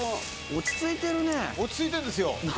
落ち着いてるんですよ。